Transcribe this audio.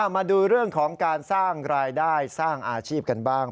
มาดูเรื่องของการสร้างรายได้สร้างอาชีพกันบ้าง